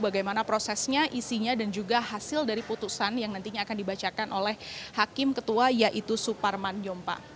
bagaimana prosesnya isinya dan juga hasil dari putusan yang nantinya akan dibacakan oleh hakim ketua yaitu suparman nyompa